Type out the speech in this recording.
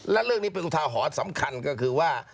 และเรื่องนี้เป็นอุทาหรณ์สำคัญก็คือว่า